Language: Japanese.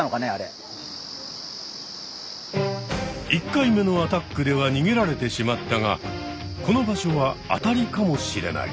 １回目のアタックではにげられてしまったがこの場所は当たりかもしれない。